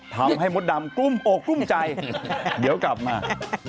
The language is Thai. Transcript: ทำให้มดดำกุ้มกุ้มใจเดี๋ยวกลับมา